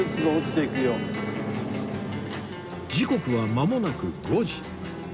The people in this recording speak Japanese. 時刻はまもなく５時